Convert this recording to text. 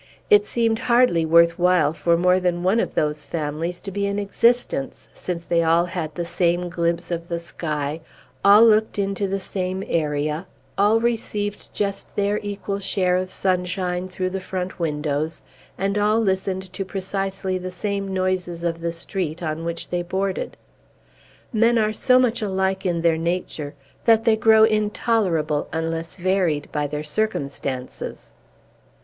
It seemed hardly worth while for more than one of those families to be in existence, since they all had the same glimpse of the sky, all looked into the same area, all received just their equal share of sunshine through the front windows, and all listened to precisely the same noises of the street on which they boarded. Men are so much alike in their nature, that they grow intolerable unless varied by their circumstances.